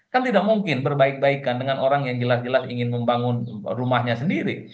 kan tidak mungkin berbaik baikan dengan orang yang jelas jelas ingin membangun rumahnya sendiri